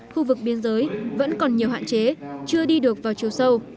khu vực biên giới vẫn còn nhiều hạn chế chưa đi được vào chiều sâu